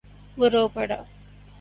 وہ رو پڑا۔